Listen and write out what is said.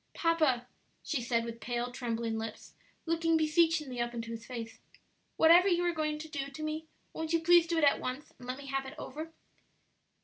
"Papa," she said, with pale, trembling lips, looking beseechingly up into his face, "whatever you are going to do to me, won't you please do it at once and let me have it over?"